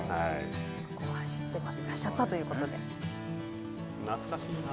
ここを走っていらっしゃったということで。